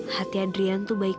hati adrian sangat baik